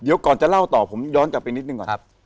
เดี๋ยวก่อนจะเล่าต่อผมย้อนกลับไปนิดหนึ่งก่อน